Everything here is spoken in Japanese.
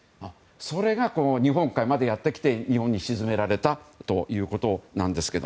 それが日本海までやってきて日本に沈められたということなんです。